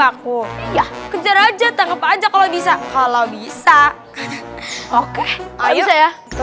aku ya kejar aja tangkap aja kalau bisa kalau bisa oke ayo saya